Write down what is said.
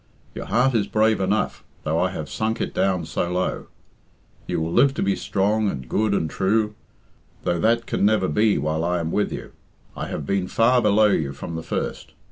Your heart is brave enough, though I have sunk it down so low. You will live to be strong and good and true, though that can never be while I am with you. I have been far below you from the first.